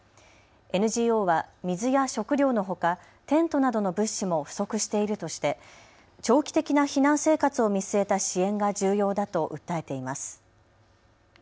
ＮＧＯは水や食料のほか、テントなどの物資も不足しているとして長期的な避難生活を見据えた支援が重要だと訴えています。